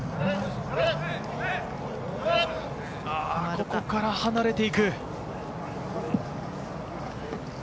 ここから離れていく。